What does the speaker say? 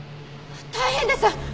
大変です！